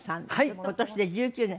今年で１９年。